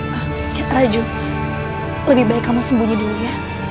wah raju lebih baik kamu sembunyi dulu ya